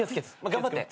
頑張って。